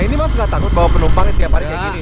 ini mas nggak takut bawa penumpang yang tiap hari kayak gini